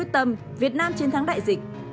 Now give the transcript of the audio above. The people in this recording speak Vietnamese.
tâm việt nam chiến thắng đại dịch